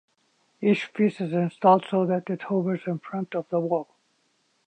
Each piece is installed so that it hovers in front of the wall.